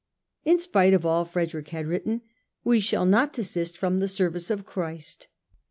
" In spite of all," Frederick had written, " we shall not desist from the service of Christ."